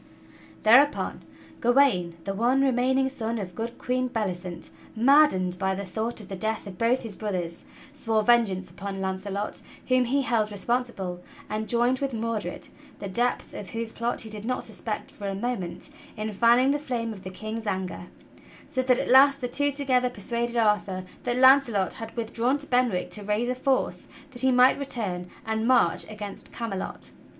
Thereupon Gawain, the one remaining son of good Queen Belli cent, maddened by the thought of the death of both his brothers, swore vengeance upon Launcelot whom he held responsible, and joined with Mordred, the depth of whose plot he did not suspect for a moment, in fanning the flame of the King's anger, so that at last the two together persuaded Arthur that Launcelot had with drawn to Benwick to raise a force that he might return and march against Camelot.